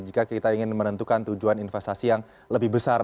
jika kita ingin menentukan tujuan investasi yang lebih besar